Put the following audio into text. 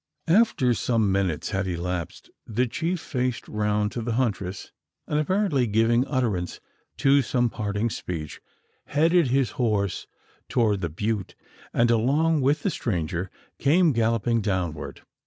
After some minutes had elapsed, the chief faced round to the huntress; and, apparently giving utterance to some parting speech, headed his horse toward the butte, and along with the stranger, came galloping downward.